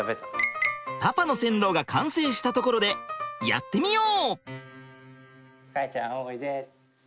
パパの線路が完成したところでやってみよう！